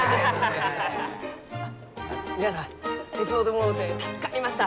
皆さん手伝うてもろうて助かりました！